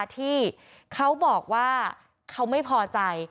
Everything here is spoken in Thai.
ที่เขาบอกว่าเขาไม่พอใจ